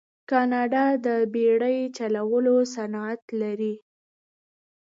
کاناډا د بیړۍ چلولو صنعت لري.